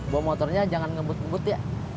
bawa motornya jangan ngebut ngebut ya